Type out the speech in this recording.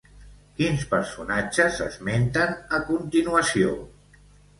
Quins personatges s'esmenten a continuació?